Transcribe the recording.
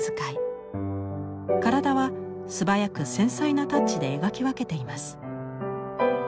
体は素早く繊細なタッチで描き分けています。